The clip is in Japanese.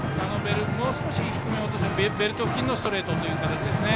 もう少し低めに落としたベルト付近のストレートですかね。